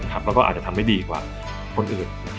แล้วก็อาจจะทำได้ดีกว่าคนอื่น